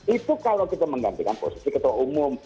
itu kalau kita menggantikan posisi ketua umum